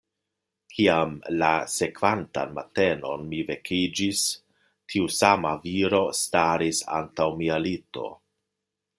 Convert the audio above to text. Kiam la sekvantan matenon mi vekiĝis, tiu sama viro staris antaŭ mia lito.